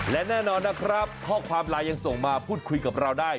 และแน่นอนนะครับข้อความไลน์ยังส่งมาพูดคุยกับเราได้